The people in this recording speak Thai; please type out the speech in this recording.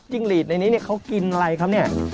จิ้งลีดในนี้เขากินอะไรครับ